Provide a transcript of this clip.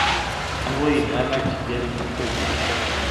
Anwa yelhan akk gar imdukal-ik?